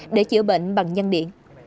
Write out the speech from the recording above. để chữa bệnh bằng nhân điện